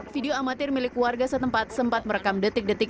video amatir milik warga setempat sempat merekam detik detik